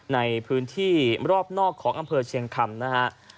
ในพื้นที่รอบนอกของอำเภอเชียงคำนะฮะ